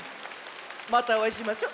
またおあいしましょ。